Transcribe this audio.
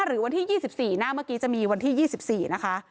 หรือวันที่๒๔หน้าเมื่อกี้จะมีวันที่๒๔นะคะ